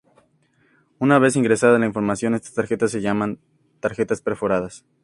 Una vez ingresada la información estas tarjetas se llaman tarjetas perforadas.